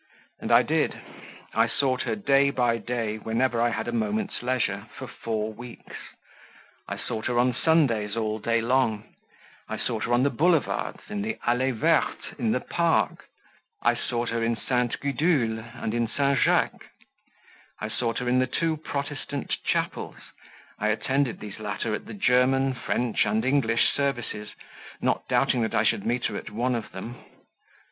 And I did. I sought her day by day whenever I had a moment's leisure, for four weeks; I sought her on Sundays all day long; I sought her on the Boulevards, in the Allee Verte, in the Park; I sought her in Ste. Gudule and St. Jacques; I sought her in the two Protestant chapels; I attended these latter at the German, French, and English services, not doubting that I should meet her at one of them.